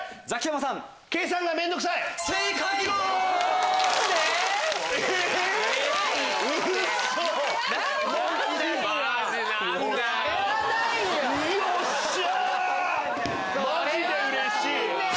マジでうれしい！